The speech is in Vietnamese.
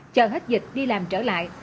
chờ hết dịch đi làm trở lại